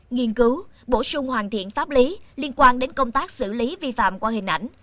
nghiên cứu bổ sung hoàn thiện pháp lý liên quan đến công tác xử lý vi phạm qua hình ảnh